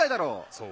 そう？